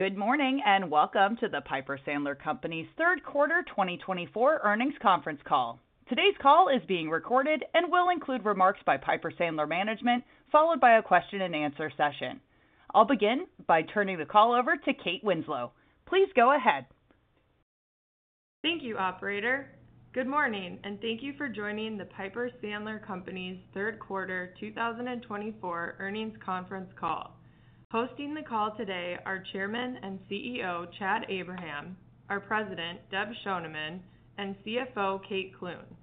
Good morning, and welcome to the Piper Sandler Companies' third quarter 2024 earnings conference call. Today's call is being recorded and will include remarks by Piper Sandler management, followed by a question and answer session. I'll begin by turning the call over to Kate Winslow. Please go ahead. Thank you, operator. Good morning, and thank you for joining the Piper Sandler Companies' third quarter 2024 earnings conference call. Hosting the call today are Chairman and CEO, Chad Abraham, our President, Deb Schoneman, and CFO, Kate Clune.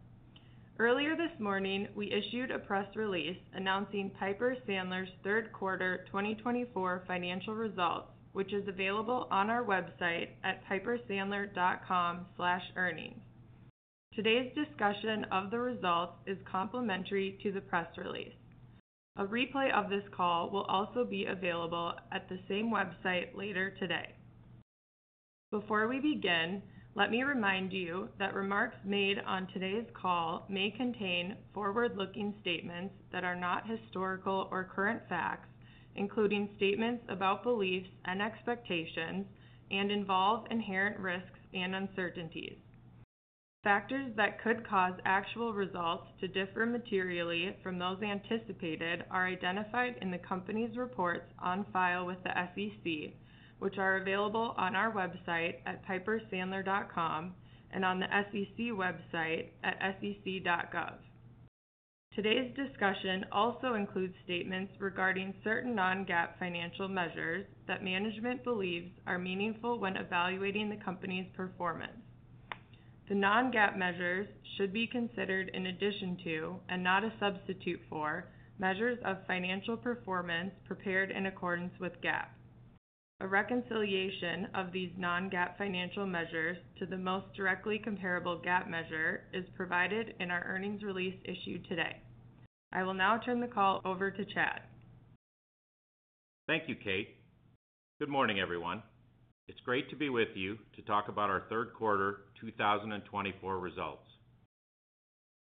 Earlier this morning, we issued a press release announcing Piper Sandler's third quarter 2024 financial results, which is available on our website at pipersandler.com/earnings. Today's discussion of the results is complementary to the press release. A replay of this call will also be available at the same website later today. Before we begin, let me remind you that remarks made on today's call may contain forward-looking statements that are not historical or current facts, including statements about beliefs and expectations, and involve inherent risks and uncertainties. Factors that could cause actual results to differ materially from those anticipated are identified in the company's reports on file with the SEC, which are available on our website at pipersandler.com and on the SEC website at sec.gov. Today's discussion also includes statements regarding certain non-GAAP financial measures that management believes are meaningful when evaluating the company's performance. The non-GAAP measures should be considered in addition to, and not a substitute for, measures of financial performance prepared in accordance with GAAP. A reconciliation of these non-GAAP financial measures to the most directly comparable GAAP measure is provided in our earnings release issue today. I will now turn the call over to Chad. Thank you, Kate. Good morning, everyone. It's great to be with you to talk about our third quarter 2024 results.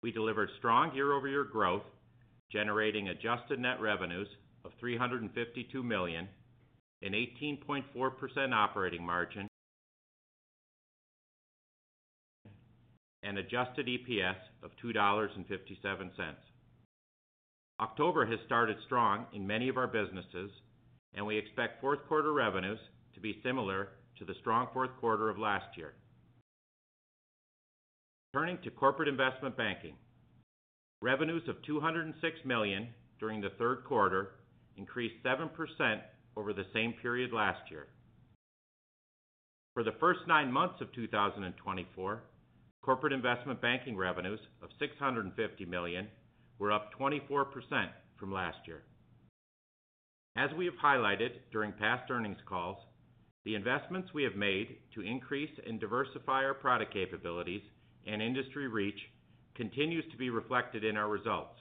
We delivered strong year-over-year growth, generating adjusted net revenues of $352 million, an 18.4% operating margin, and adjusted EPS of $2.57. October has started strong in many of our businesses, and we expect fourth quarter revenues to be similar to the strong fourth quarter of last year. Turning to corporate investment banking. Revenues of $206 million during the third quarter increased 7% over the same period last year. For the first nine months of two thousand and twenty-four, corporate investment banking revenues of $650 million were up 24% from last year. As we have highlighted during past earnings calls, the investments we have made to increase and diversify our product capabilities and industry reach continues to be reflected in our results.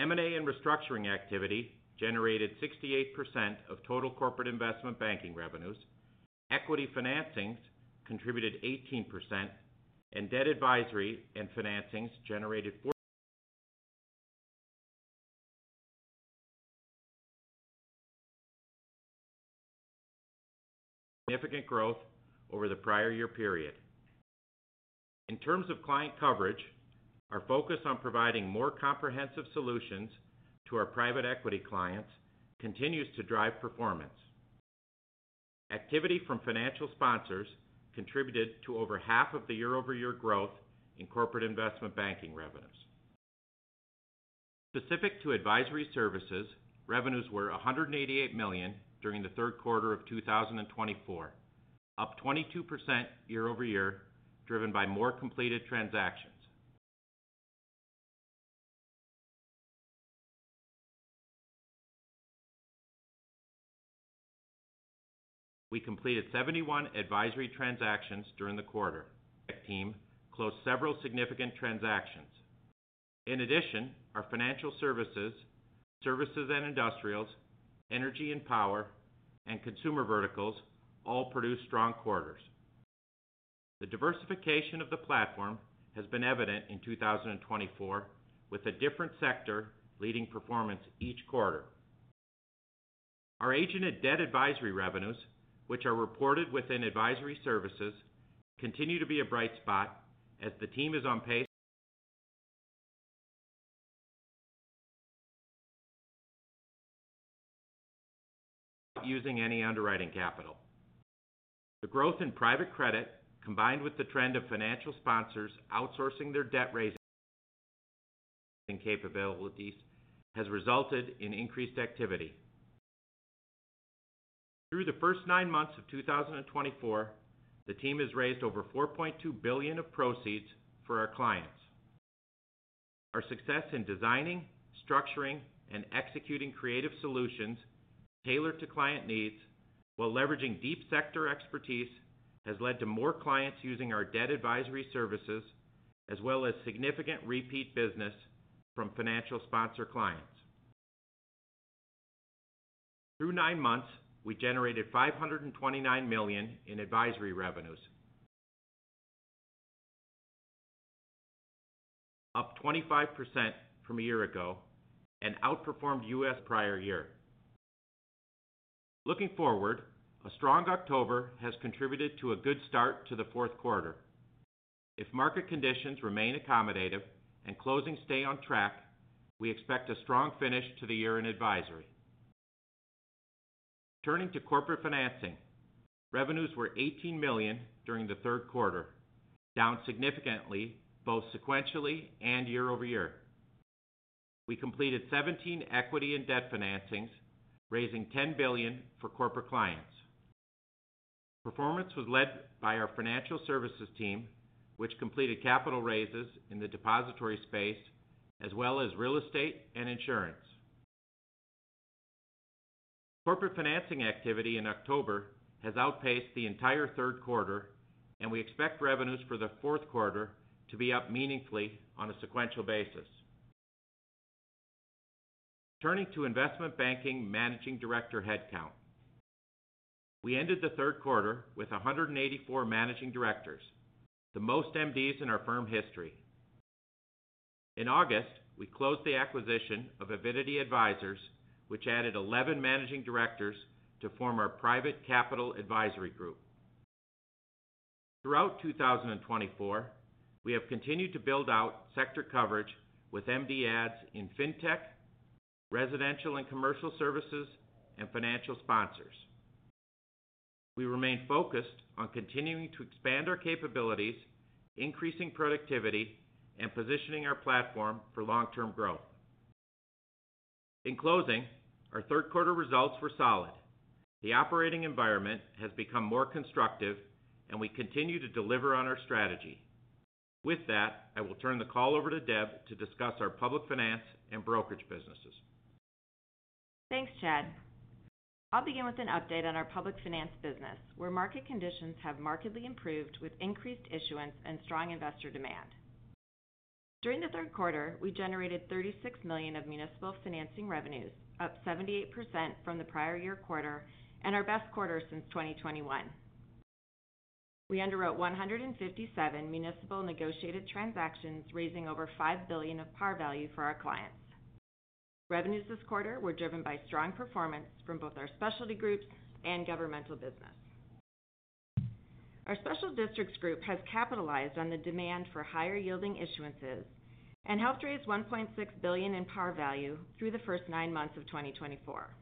M&A and restructuring activity generated 68% of total corporate investment banking revenues. Equity financings contributed 18%, and debt advisory and financings generated 44%, significant growth over the prior year period. In terms of client coverage, our focus on providing more comprehensive solutions to our private equity clients continues to drive performance. Activity from financial sponsors contributed to over half of the year-over-year growth in corporate investment banking revenues. Specific to advisory services, revenues were $188 million during the third quarter of 2024, up 22% year-over-year, driven by more completed transactions. We completed 71 advisory transactions during the quarter. The team closed several significant transactions. In addition, our financial services, healthcare services and industrials, energy and power, and consumer verticals all produced strong quarters. The diversification of the platform has been evident in two thousand and twenty-four, with a different sector leading performance each quarter. Our ECM and debt advisory revenues, which are reported within advisory services, continue to be a bright spot as the team is on pace without using any underwriting capital. The growth in private credit, combined with the trend of financial sponsors outsourcing their debt raising capabilities, has resulted in increased activity. Through the first nine months of two thousand and twenty-four, the team has raised over $4.2 billion of proceeds for our clients. Our success in designing, structuring, and executing creative solutions tailored to client needs while leveraging deep sector expertise, has led to more clients using our debt advisory services, as well as significant repeat business from financial sponsor clients. Through nine months, we generated $529 million in advisory revenues, up 25% from a year ago, and outperformed vs. prior year. Looking forward, a strong October has contributed to a good start to the fourth quarter. If market conditions remain accommodative and closings stay on track, we expect a strong finish to the year in advisory. Turning to corporate financing. Revenues were $18 million during the third quarter, down significantly both sequentially and year-over-year. We completed 17 equity and debt financings, raising $10 billion for corporate clients. Performance was led by our financial services team, which completed capital raises in the depository space, as well as real estate and insurance. Corporate financing activity in October has outpaced the entire third quarter, and we expect revenues for the fourth quarter to be up meaningfully on a sequential basis. Turning to investment banking managing director headcount. We ended the third quarter with 184 managing directors, the most MDs in our firm history. In August, we closed the acquisition of Avidity Advisors, which added 11 managing directors to form our Private Capital Advisory group. Throughout 2024, we have continued to build out sector coverage with MD adds in fintech, residential and commercial services, and financial sponsors. We remain focused on continuing to expand our capabilities, increasing productivity, and positioning our platform for long-term growth. In closing, our third quarter results were solid. The operating environment has become more constructive, and we continue to deliver on our strategy. With that, I will turn the call over to Deb to discuss our public finance and brokerage businesses. Thanks, Chad. I'll begin with an update on our public finance business, where market conditions have markedly improved with increased issuance and strong investor demand. During the third quarter, we generated $36 million of municipal financing revenues, up 78% from the prior year quarter, and our best quarter since 2021. We underwrote 157 municipal negotiated transactions, raising over $5 billion of par value for our clients. Revenues this quarter were driven by strong performance from both our specialty groups and governmental business. Our Special District Group has capitalized on the demand for higher-yielding issuances and helped raise $1.6 billion in par value through the first nine months of 2024.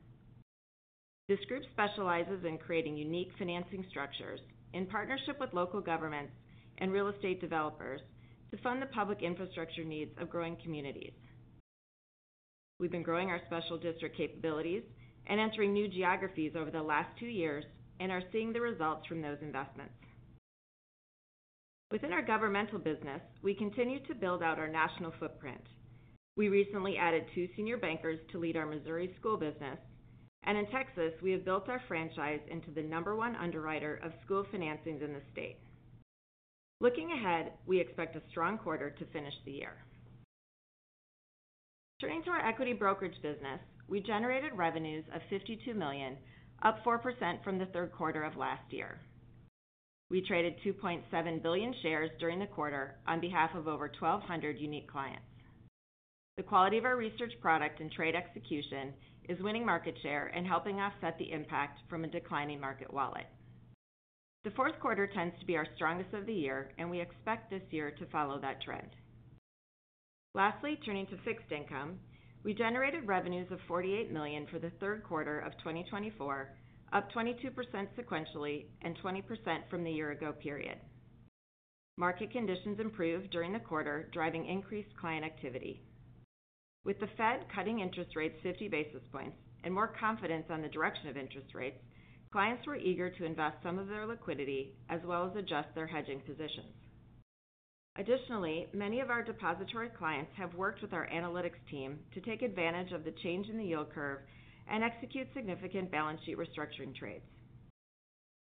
This group specializes in creating unique financing structures in partnership with local governments and real estate developers to fund the public infrastructure needs of growing communities. We've been growing our special district capabilities and entering new geographies over the last two years and are seeing the results from those investments. Within our governmental business, we continue to build out our national footprint. We recently added two senior bankers to lead our Missouri school business, and in Texas, we have built our franchise into the number one underwriter of school financings in the state. Looking ahead, we expect a strong quarter to finish the year. Turning to our equity brokerage business, we generated revenues of $52 million, up 4% from the third quarter of last year. We traded 2.7 billion shares during the quarter on behalf of over 1,200 unique clients. The quality of our research product and trade execution is winning market share and helping offset the impact from a declining market wallet. The fourth quarter tends to be our strongest of the year, and we expect this year to follow that trend. Lastly, turning to fixed income, we generated revenues of $48 million for the third quarter of 2024, up 22% sequentially and 20% from the year ago period. Market conditions improved during the quarter, driving increased client activity. With the Fed cutting interest rates 50 basis points and more confidence on the direction of interest rates, clients were eager to invest some of their liquidity as well as adjust their hedging positions. Additionally, many of our depository clients have worked with our analytics team to take advantage of the change in the yield curve and execute significant balance sheet restructuring trades.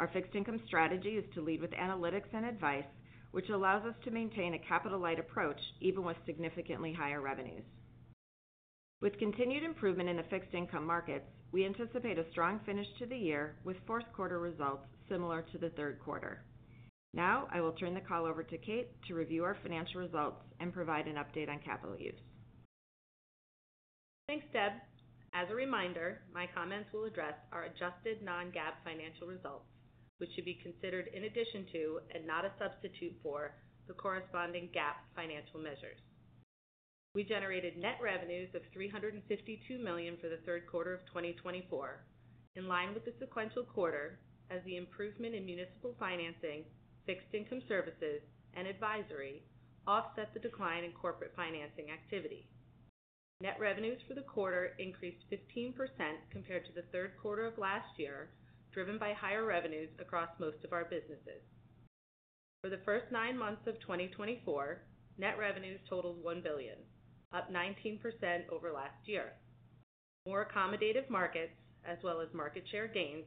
Our fixed income strategy is to lead with analytics and advice, which allows us to maintain a capital-light approach even with significantly higher revenues. With continued improvement in the fixed income markets, we anticipate a strong finish to the year, with fourth quarter results similar to the third quarter. Now, I will turn the call over to Kate to review our financial results and provide an update on capital use. Thanks, Deb. As a reminder, my comments will address our adjusted non-GAAP financial results, which should be considered in addition to, and not a substitute for, the corresponding GAAP financial measures. We generated net revenues of $352 million for the third quarter of 2024, in line with the sequential quarter as the improvement in municipal financing, fixed income services, and advisory offset the decline in corporate financing activity. Net revenues for the quarter increased 15% compared to the third quarter of last year, driven by higher revenues across most of our businesses. For the first nine months of 2024, net revenues totaled $1 billion, up 19% over last year. More accommodative markets, as well as market share gains,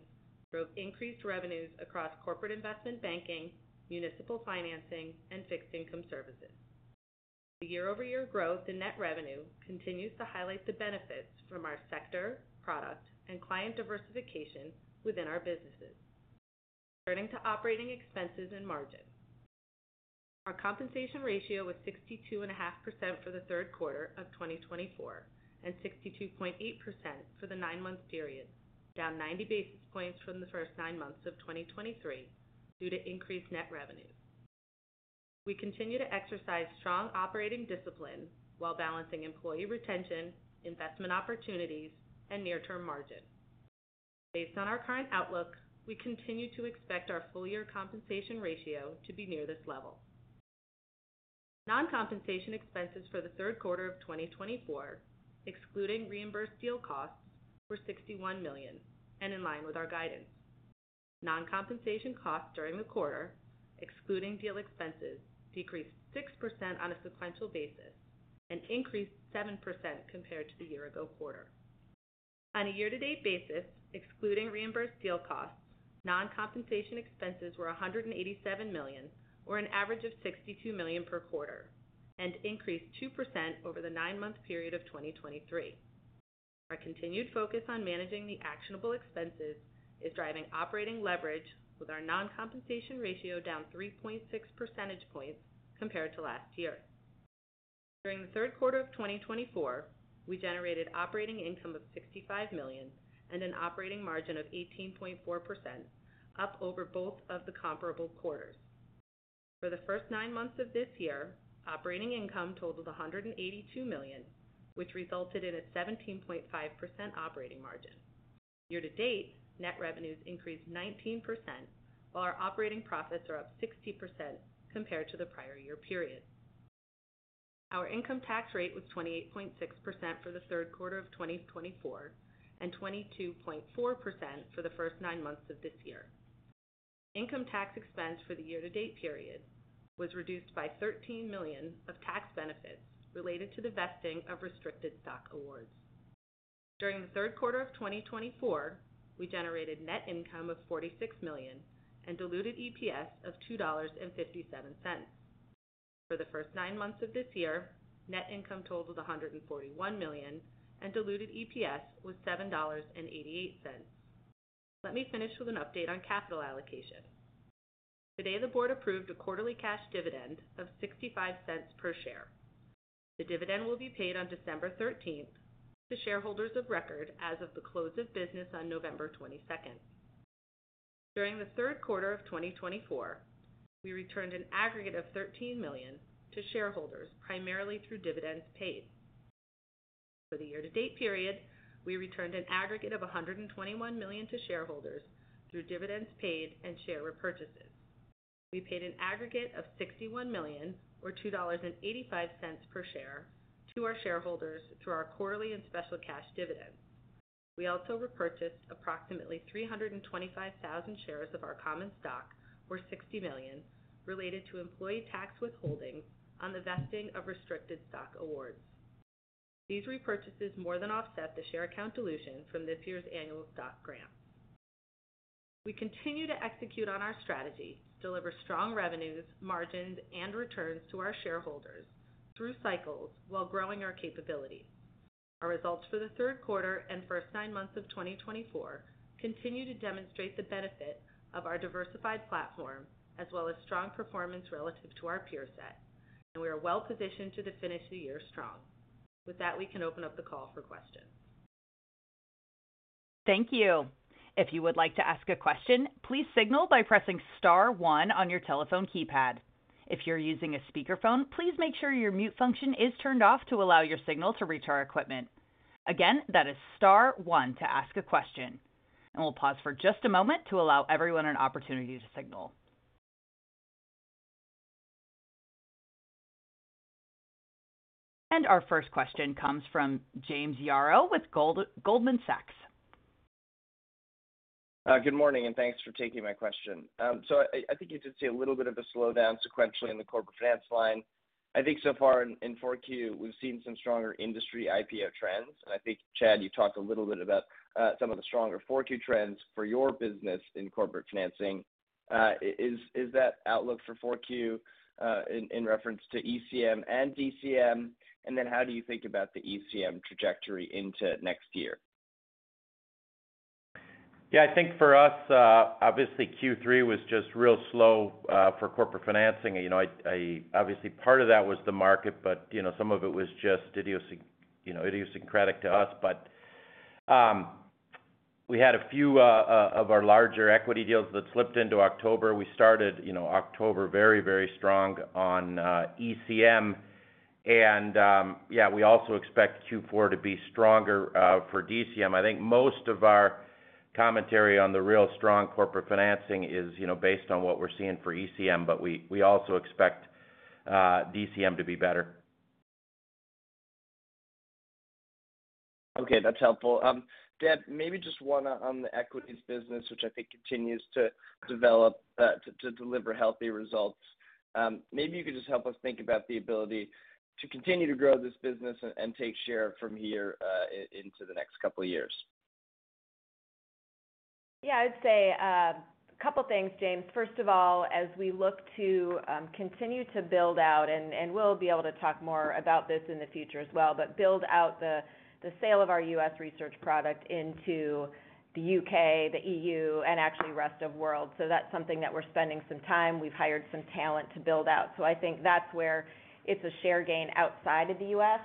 drove increased revenues across corporate investment banking, municipal financing, and fixed income services. The year-over-year growth in net revenue continues to highlight the benefits from our sector, product, and client diversification within our businesses. Turning to operating expenses and margins. Our compensation ratio was 62.5% for the third quarter of 2024, and 62.8% for the nine-month period, down 90 basis points from the first nine months of twenty twenty-three due to increased net revenues. We continue to exercise strong operating discipline while balancing employee retention, investment opportunities, and near-term margin. Based on our current outlook, we continue to expect our full year compensation ratio to be near this level. Non-compensation expenses for the third quarter of 2024, excluding reimbursed deal costs, were $61 million and in line with our guidance. Non-compensation costs during the quarter, excluding deal expenses, decreased 6% on a sequential basis and increased 7% compared to the year ago quarter. On a year-to-date basis, excluding reimbursed deal costs, non-compensation expenses were $187 million, or an average of $62 million per quarter, and increased 2% over the nine-month period of 2023. Our continued focus on managing the actionable expenses is driving operating leverage with our non-compensation ratio down 3.6 percentage points compared to last year. During the third quarter of 2024, we generated operating income of $65 million and an operating margin of 18.4%, up over both of the comparable quarters. For the first nine months of this year, operating income totaled $182 million, which resulted in a 17.5% operating margin. Year to date, net revenues increased 19%, while our operating profits are up 60% compared to the prior year period. Our income tax rate was 28.6% for the third quarter of 2024, and 22.4% for the first nine months of this year. Income tax expense for the year-to-date period was reduced by $13 million of tax benefits related to the vesting of restricted stock awards. During the third quarter of 2024, we generated net income of $46 million and diluted EPS of $2.57. For the first nine months of this year, net income totaled $141 million, and diluted EPS was $7.88. Let me finish with an update on capital allocation. Today, the board approved a quarterly cash dividend of $0.65 per share. The dividend will be paid on December thirteenth to shareholders of record as of the close of business on November twenty-second. During the third quarter of 2024, we returned an aggregate of $13 million to shareholders, primarily through dividends paid. For the year-to-date period, we returned an aggregate of $121 million to shareholders through dividends paid and share repurchases. We paid an aggregate of $61 million, or $2.85 per share, to our shareholders through our quarterly and special cash dividends. We also repurchased approximately 325,000 shares of our common stock, or $60 million, related to employee tax withholding on the vesting of restricted stock awards. These repurchases more than offset the share account dilution from this year's annual stock grant. We continue to execute on our strategy, deliver strong revenues, margins, and returns to our shareholders through cycles while growing our capability. Our results for the third quarter and first nine months of 2024 continue to demonstrate the benefit of our diversified platform, as well as strong performance relative to our peer set, and we are well-positioned to finish the year strong. With that, we can open up the call for questions. Thank you. If you would like to ask a question, please signal by pressing star one on your telephone keypad. If you're using a speakerphone, please make sure your mute function is turned off to allow your signal to reach our equipment. Again, that is star one to ask a question, and we'll pause for just a moment to allow everyone an opportunity to signal. Our first question comes from James Yaro with Goldman Sachs. Good morning, and thanks for taking my question. So I think you did see a little bit of a slowdown sequentially in the corporate finance line. I think so far in 4Q, we've seen some stronger industry IPO trends, and I think, Chad, you talked a little bit about some of the stronger 4Q trends for your business in corporate financing. Is that outlook for 4Q in reference to ECM and DCM? And then how do you think about the ECM trajectory into next year? Yeah, I think for us, obviously Q3 was just real slow for corporate financing. You know, obviously part of that was the market, but you know, some of it was just idiosyncratic to us. But we had a few of our larger equity deals that slipped into October. We started, you know, October very, very strong on ECM, and yeah, we also expect Q4 to be stronger for DCM. I think most of our commentary on the real strong corporate financing is, you know, based on what we're seeing for ECM, but we also expect DCM to be better. Okay, that's helpful. Deb, maybe just one on the equities business, which I think continues to develop to deliver healthy results. Maybe you could just help us think about the ability to continue to grow this business and take share from here into the next couple of years. ... Yeah, I'd say a couple things, James. First of all, as we look to continue to build out, and we'll be able to talk more about this in the future as well, but build out the sale of our U.S. research product into the UK, the EU, and actually rest of world. So that's something that we're spending some time. We've hired some talent to build out. So I think that's where it's a share gain outside of the U.S.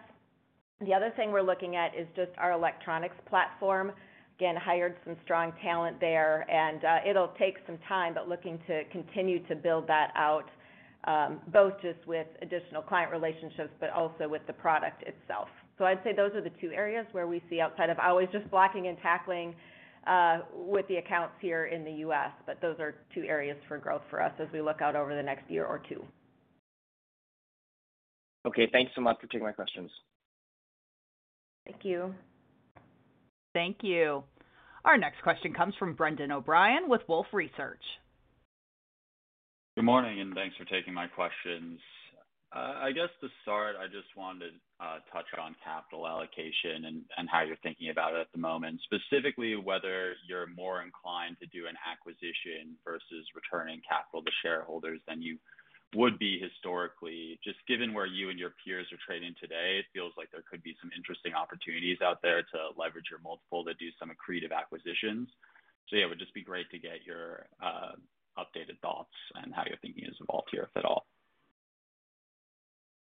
The other thing we're looking at is just our electronics platform. Again, hired some strong talent there, and it'll take some time, but looking to continue to build that out, both just with additional client relationships, but also with the product itself. So I'd say those are the two areas where we see outside of always just blocking and tackling, with the accounts here in the U.S., but those are two areas for growth for us as we look out over the next year or two. Okay, thanks so much for taking my questions. Thank you. Thank you. Our next question comes from Brendan O'Brien with Wolfe Research. Good morning, and thanks for taking my questions. I guess to start, I just wanted to touch on capital allocation and how you're thinking about it at the moment. Specifically, whether you're more inclined to do an acquisition versus returning capital to shareholders than you would be historically. Just given where you and your peers are trading today, it feels like there could be some interesting opportunities out there to leverage your multiple to do some accretive acquisitions. So yeah, it would just be great to get your updated thoughts on how your thinking is involved here, if at all.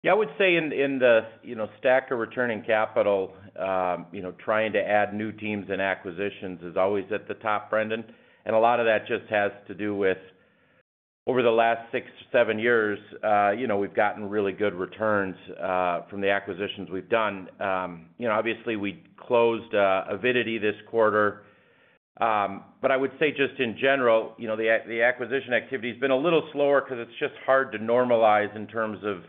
Yeah, I would say in the stack of returning capital, you know, trying to add new teams and acquisitions is always at the top, Brendan, and a lot of that just has to do with over the last six, seven years, you know, we've gotten really good returns from the acquisitions we've done. You know, obviously, we closed Avidity this quarter, but I would say just in general, you know, the acquisition activity has been a little slower because it's just hard to normalize in terms of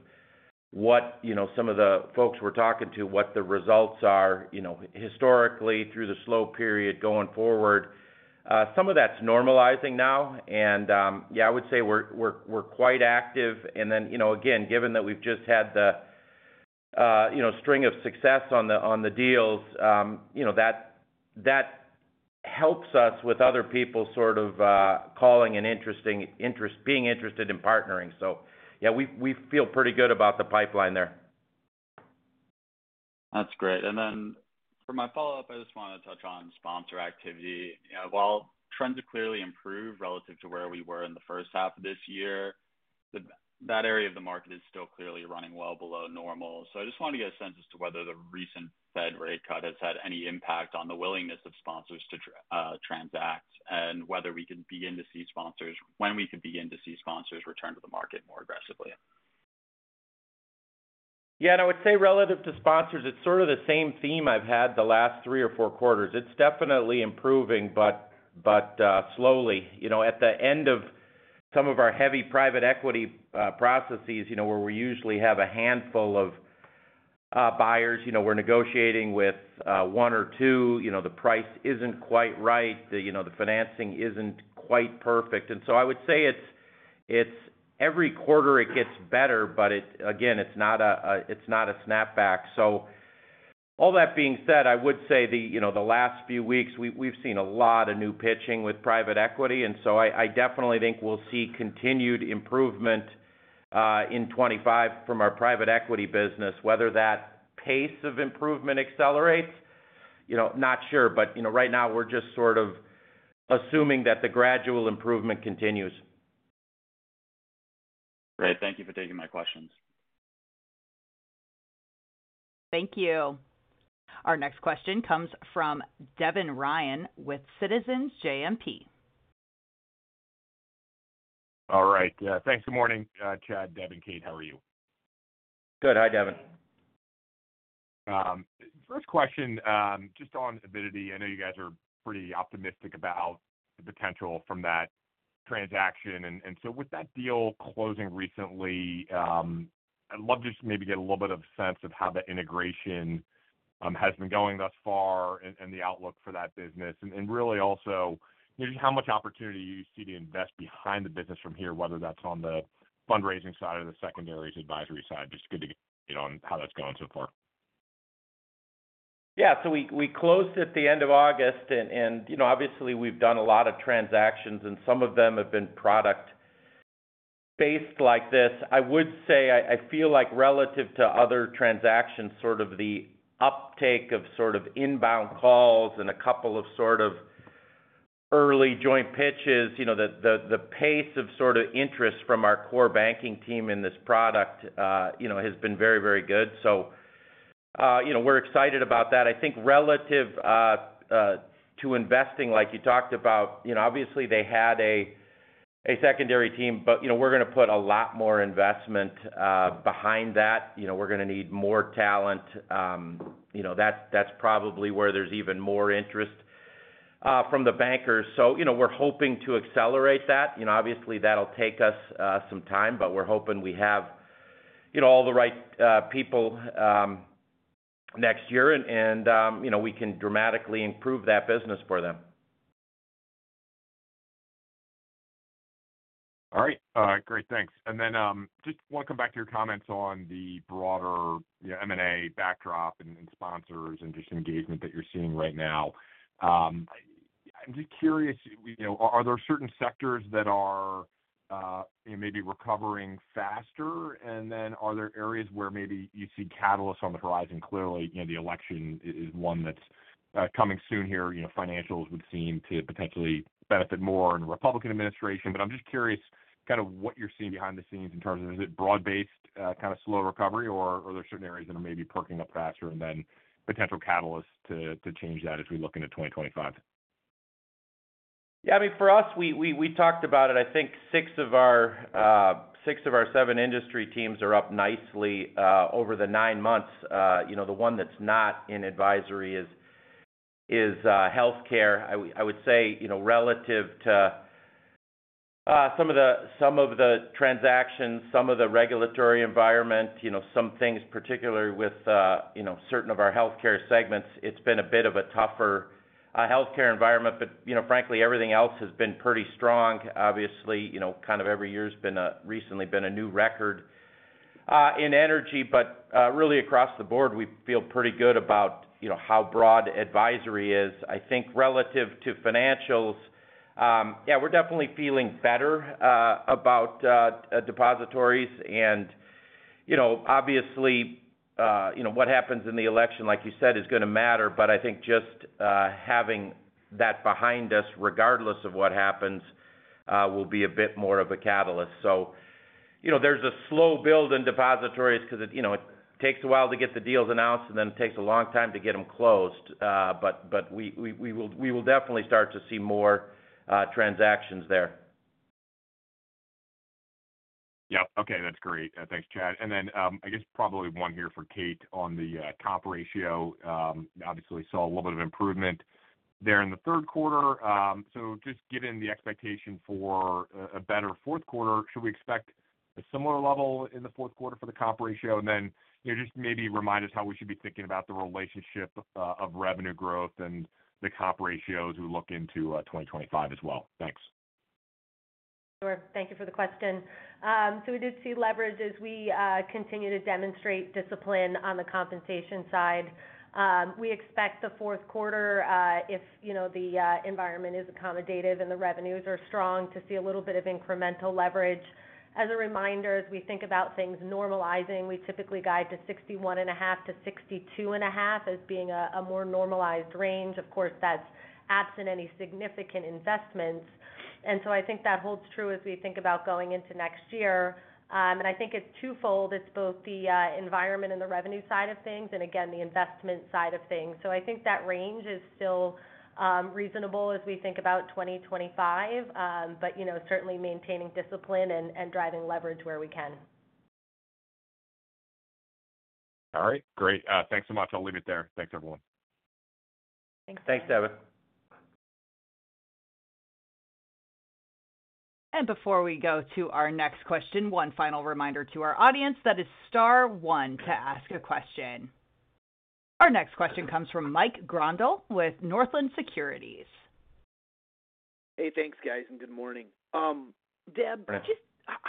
what, you know, some of the folks we're talking to, what the results are, you know, historically through the slow period going forward. Some of that's normalizing now, and yeah, I would say we're quite active. And then, you know, again, given that we've just had the, you know, string of success on the, on the deals, you know, that, that helps us with other people sort of being interested in partnering. So, yeah, we, we feel pretty good about the pipeline there. That's great, and then for my follow-up, I just wanted to touch on sponsor activity. While trends have clearly improved relative to where we were in the first half of this year, that area of the market is still clearly running well below normal, so I just wanted to get a sense as to whether the recent Fed rate cut has had any impact on the willingness of sponsors to transact, and whether we can begin to see when we could begin to see sponsors return to the market more aggressively. Yeah, and I would say relative to sponsors, it's sort of the same theme I've had the last three or four quarters. It's definitely improving, but slowly. You know, at the end of some of our heavy private equity processes, you know, where we usually have a handful of buyers, you know, we're negotiating with one or two. You know, the price isn't quite right, the, you know, the financing isn't quite perfect. And so I would say it's every quarter it gets better, but it, again, it's not a, it's not a snapback. So all that being said, I would say the, you know, the last few weeks, we've seen a lot of new pitching with private equity, and so I definitely think we'll see continued improvement in twenty-five from our private equity business. Whether that pace of improvement accelerates, you know, not sure, but, you know, right now we're just sort of assuming that the gradual improvement continues. Great. Thank you for taking my questions. Thank you. Our next question comes from Devin Ryan with Citizens JMP. All right, thanks. Good morning, Chad, Devin, Kate, how are you? Good. Hi, Devin. First question, just on Avidity. I know you guys are pretty optimistic about the potential from that transaction. And so with that deal closing recently, I'd love to just maybe get a little bit of sense of how the integration has been going thus far and the outlook for that business. And really also, you know, just how much opportunity you see to invest behind the business from here, whether that's on the fundraising side or the secondaries advisory side. Just good to get on how that's gone so far. Yeah, so we closed at the end of August, and you know, obviously we've done a lot of transactions and some of them have been product-based like this. I would say I feel like relative to other transactions, sort of the uptake of sort of inbound calls and a couple of sort of early joint pitches, you know, the pace of sort of interest from our core banking team in this product, you know, has been very, very good. So, you know, we're excited about that. I think relative to investing, like you talked about, you know, obviously they had a secondary team, but you know, we're gonna put a lot more investment behind that. You know, we're gonna need more talent. You know, that's probably where there's even more interest from the bankers. You know, we're hoping to accelerate that. You know, obviously, that'll take us some time, but we're hoping we have, you know, all the right people next year, and you know, we can dramatically improve that business for them. All right. Great, thanks. And then, just want to come back to your comments on the broader, yeah, M&A backdrop and sponsors and just engagement that you're seeing right now. I'm just curious, you know, are there certain sectors that are maybe recovering faster? And then are there areas where maybe you see catalysts on the horizon? Clearly, you know, the election is one that's coming soon here. You know, financials would seem to potentially benefit more in a Republican administration. But I'm just curious, kind of what you're seeing behind the scenes in terms of, is it broad-based, kind of slow recovery, or are there certain areas that are maybe perking up faster and then potential catalysts to change that as we look into 2025? Yeah, I mean, for us, we talked about it. I think six of our seven industry teams are up nicely over the nine months. You know, the one that's not in advisory is healthcare. I would say, you know, relative to some of the transactions, some of the regulatory environment, you know, some things, particularly with you know, certain of our healthcare segments, it's been a bit of a tougher healthcare environment. But, you know, frankly, everything else has been pretty strong. Obviously, you know, kind of every year's been recently been a new record in energy, but really, across the board, we feel pretty good about you know, how broad advisory is. I think relative to financials, yeah, we're definitely feeling better about depositories. And you know, obviously, you know, what happens in the election, like you said, is gonna matter, but I think just having that behind us, regardless of what happens, will be a bit more of a catalyst. So you know, there's a slow build in depositories because it, you know, it takes a while to get the deals announced, and then it takes a long time to get them closed. But we will definitely start to see more transactions there. Yeah. Okay, that's great. Thanks, Chad. And then, I guess probably one here for Kate on the comp ratio. Obviously saw a little bit of improvement there in the third quarter. So just given the expectation for a better fourth quarter, should we expect a similar level in the fourth quarter for the comp ratio? And then, you know, just maybe remind us how we should be thinking about the relationship of revenue growth and the comp ratios we look into 2025 as well. Thanks. Sure. Thank you for the question. So we did see leverage as we continue to demonstrate discipline on the compensation side. We expect the fourth quarter, if you know the environment is accommodative and the revenues are strong, to see a little bit of incremental leverage. As a reminder, as we think about things normalizing, we typically guide to sixty-one and a half to sixty-two and a half as being a more normalized range. Of course, that's absent any significant investments. And so I think that holds true as we think about going into next year. And I think it's twofold. It's both the environment and the revenue side of things, and again, the investment side of things. So I think that range is still reasonable as we think about 2025, but you know, certainly maintaining discipline and driving leverage where we can. All right, great. Thanks so much. I'll leave it there. Thanks, everyone. Thanks. Thanks, Devin. Before we go to our next question, one final reminder to our audience, that is star one to ask a question. Our next question comes from Mike Grondahl with Northland Securities. Hey, thanks, guys, and good morning. Deb- Yeah.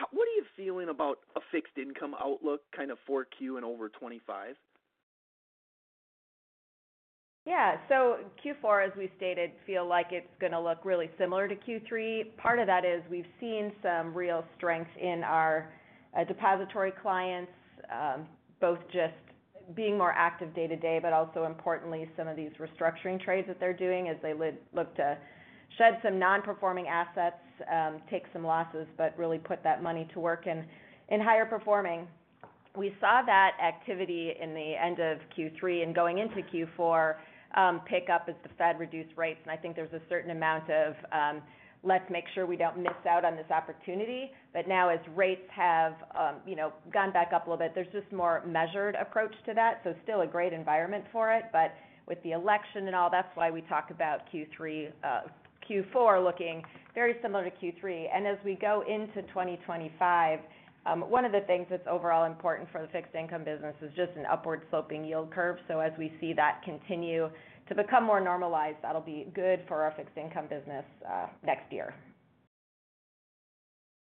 What are you feeling about a fixed income outlook, kind of 4Q and over 2025? Yeah. So Q4, as we stated, feel like it's gonna look really similar to Q3. Part of that is we've seen some real strength in our depository clients, both just being more active day-to-day, but also importantly, some of these restructuring trades that they're doing as they look to shed some non-performing assets, take some losses, but really put that money to work in higher performing. We saw that activity in the end of Q3 and going into Q4, pick up as the Fed reduced rates, and I think there's a certain amount of, let's make sure we don't miss out on this opportunity. But now as rates have, you know, gone back up a little bit, there's just more measured approach to that. So still a great environment for it, but with the election and all, that's why we talk about Q3, Q4 looking very similar to Q3. And as we go into 2025, one of the things that's overall important for the fixed income business is just an upward-sloping yield curve. So as we see that continue to become more normalized, that'll be good for our fixed income business next year.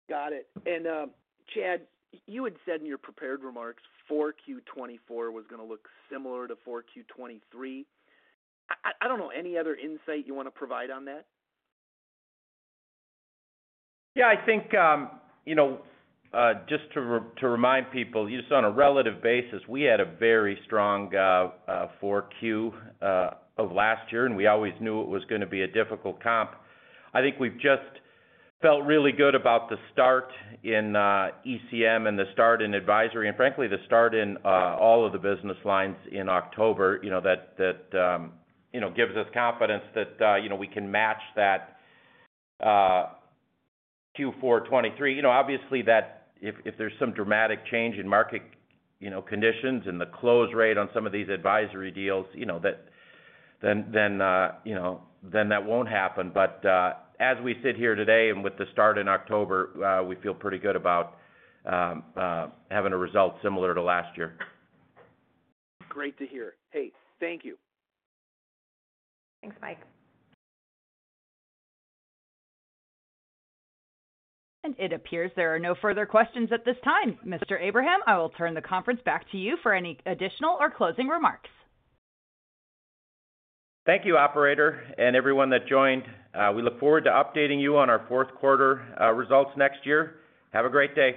Got it. And, Chad, you had said in your prepared remarks, 4Q 2024 was gonna look similar to 4Q 2023. I don't know, any other insight you want to provide on that? Yeah, I think, you know, just to remind people, just on a relative basis, we had a very strong Q4 of last year, and we always knew it was gonna be a difficult comp. I think we've just felt really good about the start in ECM and the start in advisory, and frankly, the start in all of the business lines in October, you know, that gives us confidence that we can match that Q4 2023. You know, obviously, that if there's some dramatic change in market conditions and the close rate on some of these advisory deals, you know, that then won't happen. But, as we sit here today and with the start in October, we feel pretty good about having a result similar to last year. Great to hear. Hey, thank you. Thanks, Mike. It appears there are no further questions at this time. Mr. Abraham, I will turn the conference back to you for any additional or closing remarks. Thank you, operator, and everyone that joined. We look forward to updating you on our fourth quarter results next year. Have a great day!